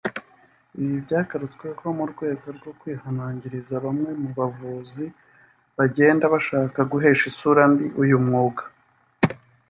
Ibi byagarutsweho mu rwego rwo kwihanangiriza bamwe mu bavuzi bagenda bashaka guhesha isura mbi uyu mwuga